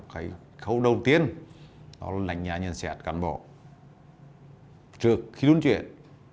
cái khâu đầu tiên là lãnh giá nhân sát cán bộ trước khi luân chuyển